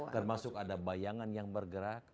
termasuk ada bayangan yang bergerak